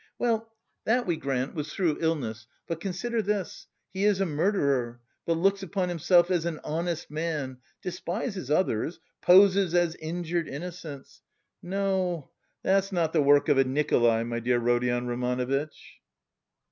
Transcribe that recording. Well, that we grant, was through illness, but consider this: he is a murderer, but looks upon himself as an honest man, despises others, poses as injured innocence. No, that's not the work of a Nikolay, my dear Rodion Romanovitch!"